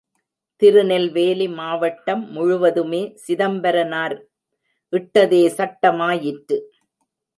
திருநெல்வேலி மாவட்டம் முழுவதுமே சிதம்பரனார் இட்டதே சட்டமாயிற்று.